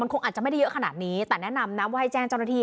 คงอาจจะไม่ได้เยอะขนาดนี้แต่แนะนำนะว่าให้แจ้งเจ้าหน้าที่